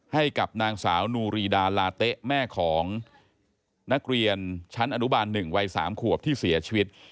ให้กับนางสาวนูรีดาลาเต๊ะแม่ของนักเรียนชั้นอนุบาล๑วัย๓ขวบที่เสียชีวิต